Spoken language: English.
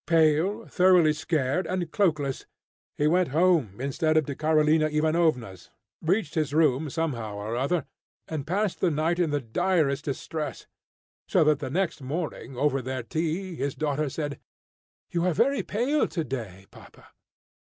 Pale, thoroughly scared, and cloakless, he went home instead of to Karolina Ivanovna's, reached his room somehow or other, and passed the night in the direst distress; so that the next morning over their tea, his daughter said, "You are very pale to day, papa."